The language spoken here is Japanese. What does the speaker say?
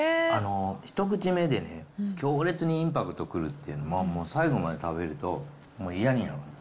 一口目でね、強烈にインパクトくるっていうのは、最後まで食べるともう嫌になる。